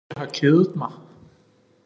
Jeg har kedet mig